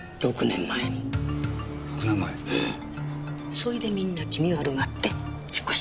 そいでみんな気味悪がって引っ越しちゃった。